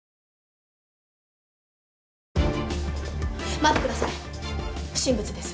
待って下さい不審物です。